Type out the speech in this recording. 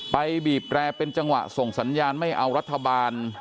บีบแร่เป็นจังหวะส่งสัญญาณไม่เอารัฐบาล